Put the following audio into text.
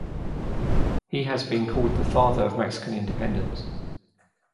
He has been called the "father of Mexican independence".